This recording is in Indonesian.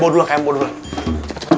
padek mau curhat di